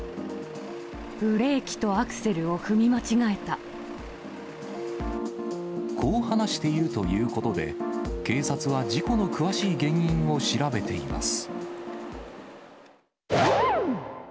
ブレーキとアクセルを踏み間こう話しているということで、警察は事故の詳しい原因を調べています。